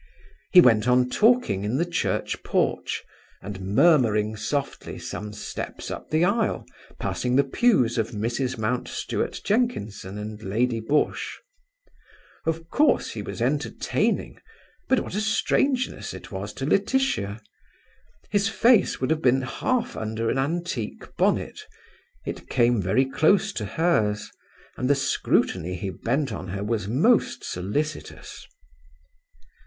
He went on talking in the church porch, and murmuring softly some steps up the aisle, passing the pews of Mrs. Mountstuart Jenkinson and Lady Busshe. Of course he was entertaining, but what a strangeness it was to Laetitia! His face would have been half under an antique bonnet. It came very close to hers, and the scrutiny he bent on her was most solicitous.